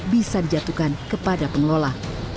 bisa dijatuhkan kepada pengelola